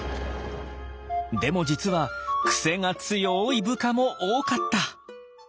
でも実はクセが強い部下も多かった。